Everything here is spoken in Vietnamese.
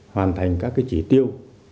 hoàn thành các chỉ tiêu